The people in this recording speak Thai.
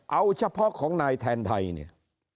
เอาเฉพาะของนายแทนไทยเนี่ย